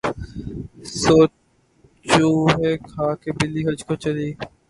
سو چوہے کھا کے بلی حج کو چلی